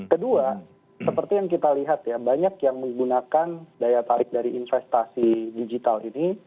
kedua seperti yang kita lihat ya banyak yang menggunakan daya tarik dari investasi digital ini